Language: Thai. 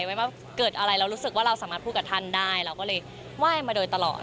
ไว้ว่าเกิดอะไรเรารู้สึกว่าเราสามารถพูดกับท่านได้เราก็เลยไหว้มาโดยตลอด